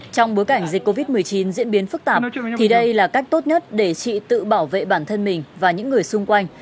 trong bối cảnh dịch covid một mươi chín diễn biến phức tạp thì đây là cách tốt nhất để chị tự bảo vệ bản thân mình và những người xung quanh